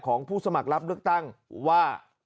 ผู้สมัครรับเลือกตั้งว่า